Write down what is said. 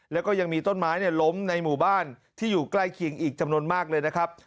แล้วก็ยังมีต้นไม้ล้มในหมู่บ้านที่อยู่ใกล้เคียงอีกจำนวนมากเลยนะครับ